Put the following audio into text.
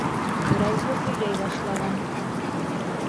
Берәүһе һөйләй башлаған.